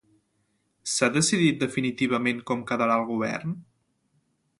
S'ha decidit definitivament com quedarà el govern?